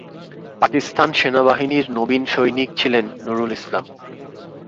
পাকিস্তান সেনাবাহিনীর নবীন সৈনিক ছিলেন নূরুল ইসলাম।